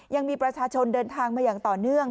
ยังมีประชาชนเดินทางมาอย่างต่อเนื่อง